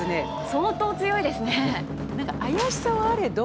相当強いですね。